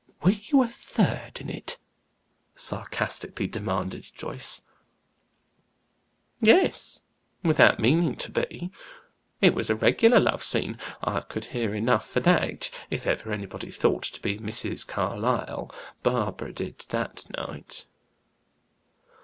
"Were you a third in it?" sarcastically demanded Joyce. "Yes without meaning to be. It was a regular love scene; I could hear enough for that. If ever anybody thought to be Mrs. Carlyle, Barbara did that night."